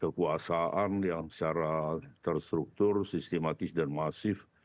kekuasaan yang secara terstruktur sistematis dan masif